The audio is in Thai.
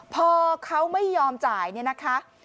พอเขาไม่ยอมจ่ายนะครับ